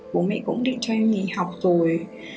bố mẹ cũng định cho em nghỉ học rồi